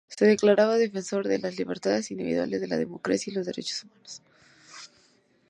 Se declaraba defensor de las libertades individuales, la democracia y los derechos humanos.